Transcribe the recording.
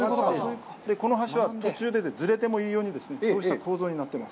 この橋は途中でずれてもいいようにこうした構造になっています。